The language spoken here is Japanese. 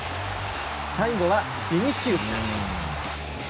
最後はビニシウス。